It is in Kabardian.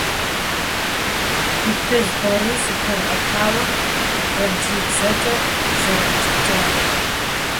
Ӏутӏыж Борис и «Тыргъэтауэр» франджыбзэкӏэ зэрадзэкӏащ.